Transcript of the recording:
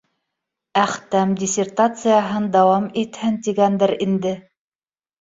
Әхтәм диссертацияһын дауам итһен тигәндер инде